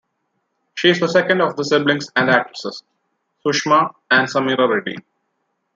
She is the second of the siblings and actresses, Sushma and Sameera Reddy.